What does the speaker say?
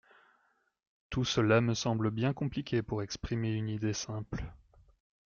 Tout cela me semble bien compliqué pour exprimer une idée simple.